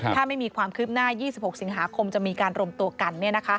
ถ้าไม่มีความคืบหน้า๒๖สิงหาคมจะมีการรวมตัวกัน